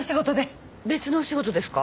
別のお仕事ですか？